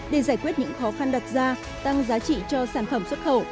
để giải quyết những khó khăn đặc gia tăng giá trị cho sản phẩm xuất khẩu